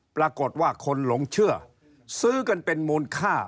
ปรากฏว่าคนหลงเชื่อซื้อกันเป็นมูลค่า